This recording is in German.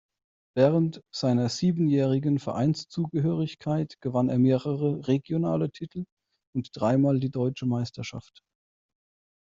Während seiner siebenjährigen Vereinszugehörigkeit gewann er mehrere regionale Titel und dreimal die Deutsche Meisterschaft.